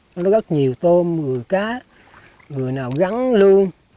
nó rất nhiều tôm người cá người nào gắn luôn